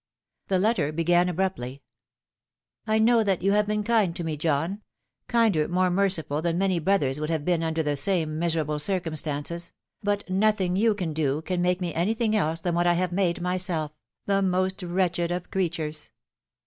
The letter began abruptly :" I know that you have been kind to me, John kinder, more merciful than many brothers would have been under the same miserable circumstances ; but nothing you can do can make me anything else than what I have made myself the most wretched of creatures.